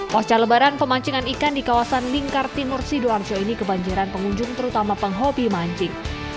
pasca lebaran pemancingan ikan di kawasan lingkar timur sidoarjo ini kebanjiran pengunjung terutama penghobi mancing